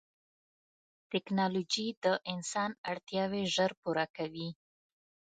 ټکنالوجي د انسان اړتیاوې ژر پوره کوي.